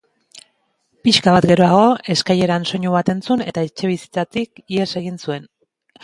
Pixka bat geroago, eskaileran soinu bat entzun eta etxebizitzatik ihes egin zuen.